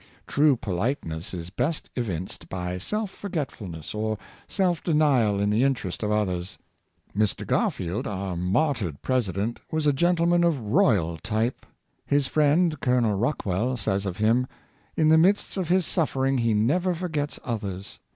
True politeness is best evinced by self forgetfulness or self denial in the interest of others. Mr. Garfield, our martyred president, was a gentleman of royal type. His friend. Col. Rockwell, says of him: " In the midst of his suffering he never forgets others.